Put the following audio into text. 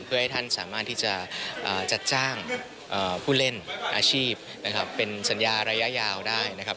เพื่อให้ท่านสามารถที่จะจัดจ้างผู้เล่นอาชีพนะครับเป็นสัญญาระยะยาวได้นะครับ